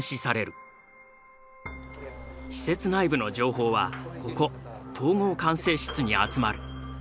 施設内部の情報はここ統合管制室に集まる。